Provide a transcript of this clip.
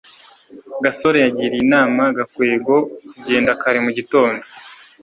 gasore yagiriye inama gakwego kugenda kare mu gitondo